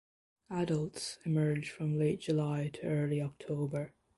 Adults emerge from late July to early October.